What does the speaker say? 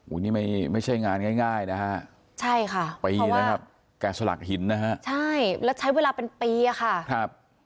อู้นี่ไม่ใช่งานง่ายนะคะใช่ค่ะเพราะว่าไปแล้วแกะสลักหินนะคะใช่แล้วใช้เวลาเป็นปีค่ะ